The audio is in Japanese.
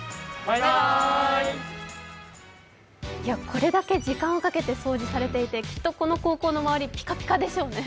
これだけ時間をかけて掃除されていてきっとこの高校の周り、ピカピカでしょうね。